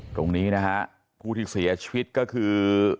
ตรงนี้นะฮะผู้ที่เสียชีวิตก็คือ